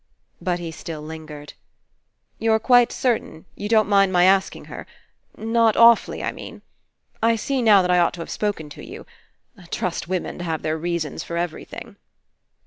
But he still lingered. "You're quite certain. You don't mind my ask ing her? Not awfully, I mean? I see now that I ought to have spoken to you. Trust women to have their reasons for everything."